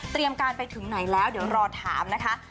การไปถึงไหนแล้วเดี๋ยวรอถามนะคะ